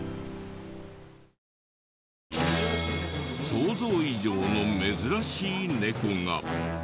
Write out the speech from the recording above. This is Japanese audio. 想像以上の珍しい猫が。